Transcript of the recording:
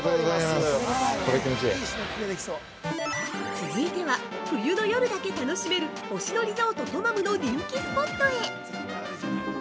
◆続いては、冬の夜だけ楽しめる星野リゾートトマムの人気スポットへ。